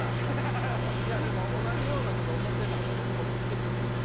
いやでも同じようなこと思ってたんで僕もすっきりしました。